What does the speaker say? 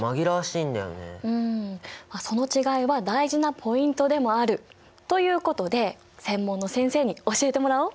うんまあその違いは大事なポイントでもある！ということで専門の先生に教えてもらおう。